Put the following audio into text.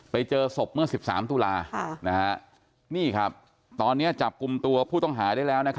ไปเจอศพเมื่อ๑๓ตุลานี่ครับตอนนี้จับกลุ่มตัวผู้ต้องหาได้แล้ว